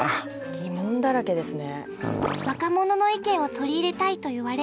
疑問だらけですね。